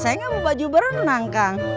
saya nggak mau baju berenang kang